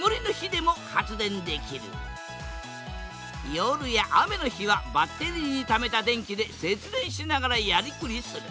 夜や雨の日はバッテリーにためた電気で節電しながらやりくりする。